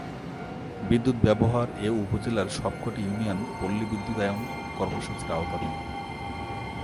বিদ্যুৎ ব্যবহার এ উপজেলার সবক’টি ইউনিয়ন পল্লিবিদ্যুতায়ন কর্মসূচির আওতাধীন।